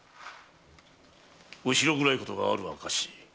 後ろ暗いことがある証し。